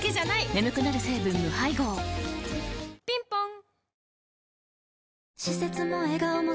眠くなる成分無配合ぴんぽん